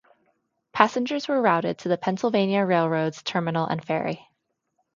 Passengers were routed to the Pennsylvania Railroad's terminal and ferry.